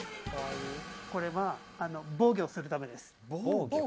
これは防御するためです。